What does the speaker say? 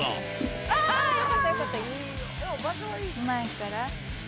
前から。